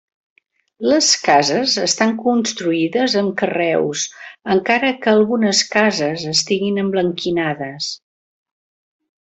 Les cases estan construïdes amb carreus, encara que algunes cases estiguin emblanquinades.